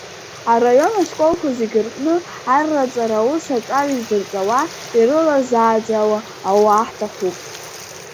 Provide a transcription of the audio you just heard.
Араион ашколқәа зегьы рҟны арраҵара аус аҿар идзырҵауа, ирылазааӡауа ауаа ҳҭахуп.